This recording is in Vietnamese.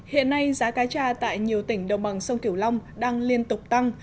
hiện nay giá cá tra tại nhiều tỉnh đồng bằng sông kiểu long đang liên tục tăng